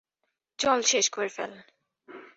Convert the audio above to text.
চল, শেষ করে ফেল।